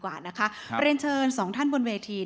เพราะฉะนั้นเราทำกันเนี่ย